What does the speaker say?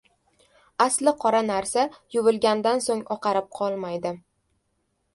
• Asli qora narsa yuvilgandan so‘ng oqarib qolmaydi.